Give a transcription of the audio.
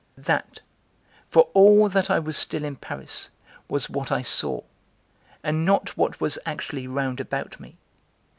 That (for all that I was still in Paris) was what I saw, and not what was actually round about me.